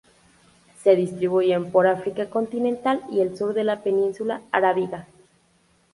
Se distribuyen por África continental y el sur de la península arábiga.